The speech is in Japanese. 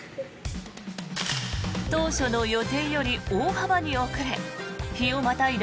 当初の予定より大幅に遅れ日をまたいだ